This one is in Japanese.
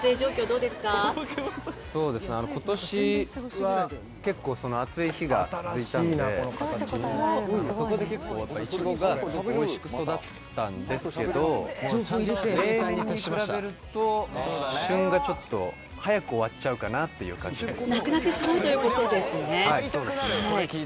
そうですね今年は結構暑い日が続いたのでそこで結構いちごがおいしく育ったんですけど例年に比べると旬がちょっと早く終わっちゃうかなっていう感じですなくなってしまうということですねはい